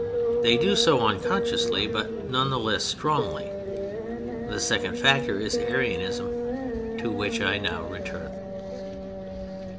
They do so unconsciously but none the less strongly. The second factor is Arianism: to which I now return.